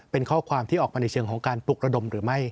เป็นข้อความที่ออกมาในเชิงของการปลุกระดมหรือไม่